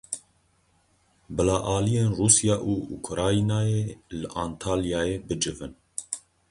Bila aliyên Rûsya û Ukraynayê li Antalyayê bicivin.